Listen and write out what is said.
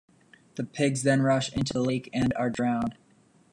The pigs then rush into the Lake and are drowned.